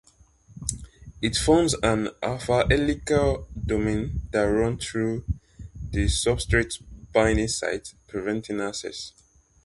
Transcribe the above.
It forms an alpha-helical domain that runs through the substrate-binding site, preventing access.